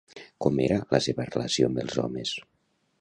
Com era la seva relació amb els homes?